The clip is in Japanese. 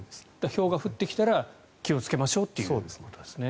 ひょうが降ってきたら気をつけましょうということですね。